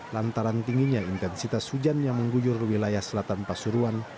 lantaran tingginya intensitas hujan yang mengguyur wilayah selatan pasuruan